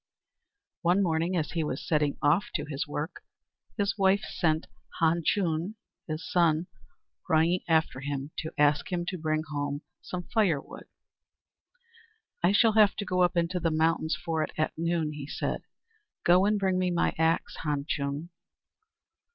One morning, as he was setting off to his work, his wife sent Han Chung, his son, running after him to ask him to bring home some firewood. "I shall have to go up into the mountain for it at noon," he said. "Go and bring me my axe, Han Chung."